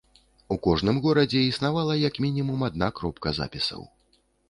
У кожным горадзе існавала як мінімум адна кропка запісаў.